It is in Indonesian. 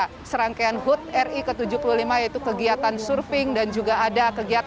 ada serangkaian hud ri ke tujuh puluh lima yaitu kegiatan surfing dan juga ada kegiatan